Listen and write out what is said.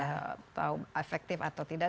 atau efektif atau tidak